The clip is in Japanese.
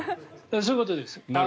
そういうことです。